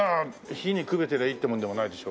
火にくべてりゃいいってもんでもないでしょ？